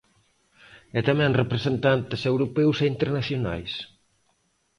E tamén representantes europeos e internacionais.